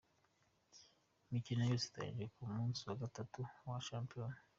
Imikino yose iteganyijwe ku munsi wa gatanu wa Shampiyona: .